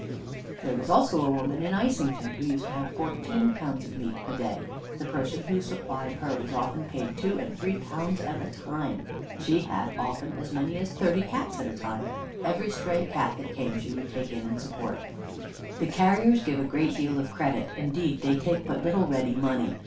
"There was also a woman in Islington who used to have fourteen pounds of meat a day. The person who supplied her was often paid two and three pounds at a time. She had often as many as thirty Cats at a time. Every stray Cat that came she would take in and support. "The carriers give a great deal of credit; indeed, they take but little ready money.